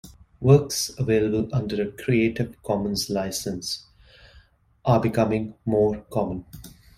Works available under a Creative Commons license are becoming more common.